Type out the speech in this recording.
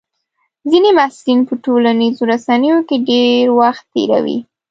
ځینې محصلین په ټولنیزو رسنیو کې ډېر وخت تېروي.